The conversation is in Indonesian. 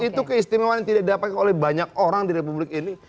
itu keistimewaan yang tidak didapatkan oleh banyak orang di republik ini